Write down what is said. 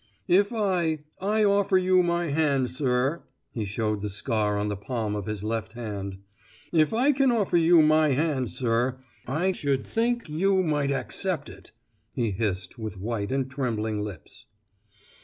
"If I—I offer you my hand, sir" (he showed the scar on the palm of his left hand)—"if I can offer you my hand, sir, I should think you might accept it!" he hissed with white and trembling lips.